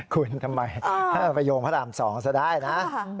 คุณทำไมไปโยงพระราม๒ซะได้นะ